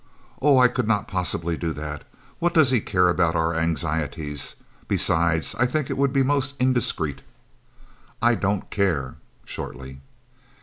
"Oh, I could not possibly do that. What does he care about our anxieties? Besides, I think it would be most indiscreet." "I don't care," shortly.